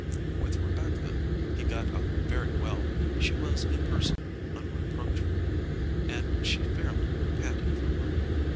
With Rebecca he got on very well; she was impersonal, unreproachful, and she fairly panted for work.